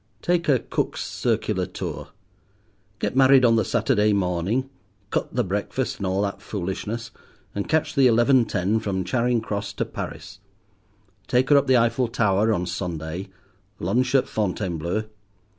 Take a Cook's circular tour. Get married on the Saturday morning, cut the breakfast and all that foolishness, and catch the eleven ten from Charing Cross to Paris. Take her up the Eiffel Tower on Sunday. Lunch at Fontainebleau.